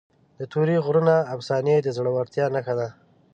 د تورې غرونو افسانې د زړورتیا نښه ده.